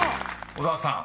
［小沢さん